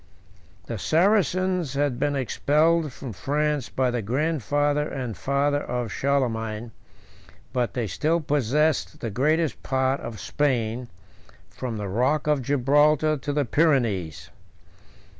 II. The Saracens had been expelled from France by the grandfather and father of Charlemagne; but they still possessed the greatest part of Spain, from the rock of Gibraltar to the Pyrenees.